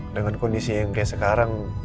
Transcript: dengan kondisi yang kayak sekarang